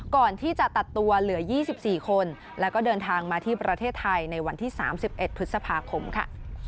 ก่อนที่จะตัดตัวเหลือ๒๔คนแล้วก็เดินทางมาที่ประเทศไทยในวันที่๓๑พฤษภาคมค่ะ